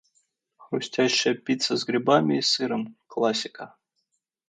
Хрустящая пицца с грибами и сыром - классика.